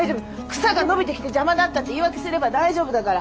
草が伸びてきて邪魔だったって言い訳すれば大丈夫だから。